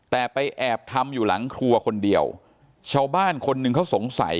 แต่ไปแอบทำอยู่หลังครัวคนเดียวชาวบ้านคนหนึ่งเขาสงสัย